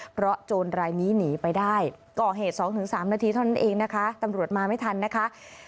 เพราะโจรรายนี้หนีไปได้ก่อเหตุ๒๓นาทีเท่านั้นเองนะคะตำรวจมาไม่ทันนะคะ